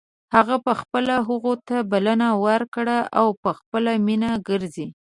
هغه په خپله هغو ته بلنه ورکوي او په خپله مینه ګرځي.